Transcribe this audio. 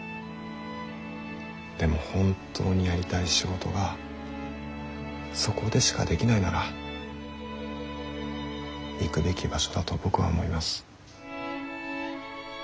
でも本当にやりたい仕事がそこでしかできないなら行くべき場所だと僕は思います。